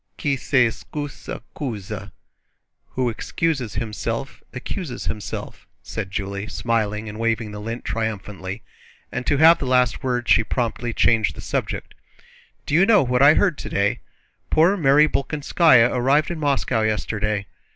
"Qui s'excuse s'accuse," * said Julie, smiling and waving the lint triumphantly, and to have the last word she promptly changed the subject. "Do you know what I heard today? Poor Mary Bolkónskaya arrived in Moscow yesterday.